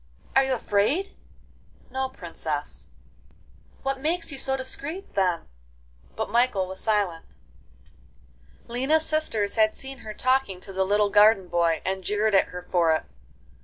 'Are you afraid?' 'No, Princess.' 'What makes you so discreet, then?' But Michael was silent. XII Lina's sisters had seen her talking to the little garden boy, and jeered at her for it.